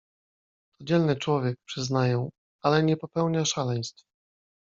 "To dzielny człowiek, przyznaję, ale nie popełnia szaleństw."